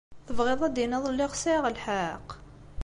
Tebɣiḍ ad d-tiniḍ lliɣ sɛiɣ lḥeqq?